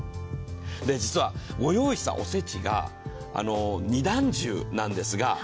実はご用意したおせちが２段重なんですが。